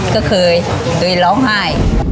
ก็เคยร้องไห้